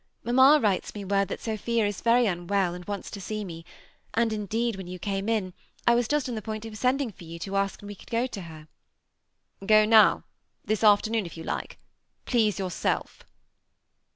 Mamma writes me woid, that Sophia is very unwell, and wants to see me ; and, indeed, when you came in, I was just on the point of sending for you, te ask when we could go to her." •Go now, — this afternoon, if you like. Please your self."